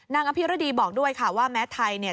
นางอภิรดีบอกด้วยค่ะว่าแม้ไทย